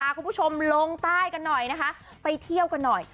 คุณผู้ชมลงใต้กันหน่อยนะคะไปเที่ยวกันหน่อย